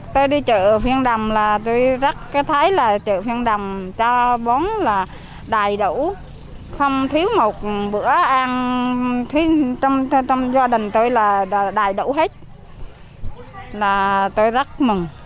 bữa ăn trong gia đình tôi là đầy đủ hết tôi rất mừng